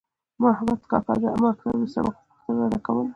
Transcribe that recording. مخامد کاکا د مکتب د سبقو پوښتنه رانه کوله.